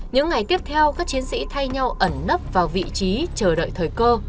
những ngày tiếp theo các chiến sĩ thay nhau ẩn nấp vào vị trí chờ đợi thời cơ